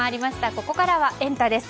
ここからはエンタ！です。